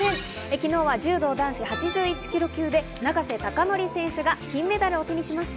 昨日は柔道男子８１ｋｇ級で永瀬貴規選手が金メダルを手にしました。